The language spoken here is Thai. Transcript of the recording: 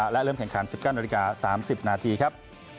และเริ่มแข่งขาม๑๙น๓๐นาทีครับ